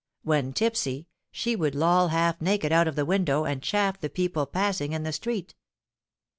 When tipsy, she would loll half naked out of the window, and chaff the people passing in the street.